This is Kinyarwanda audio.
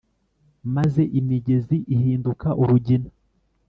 Maze imigezi ihinduka urugina